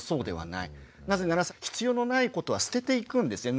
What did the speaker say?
なぜなら必要のないことは捨てていくんですよ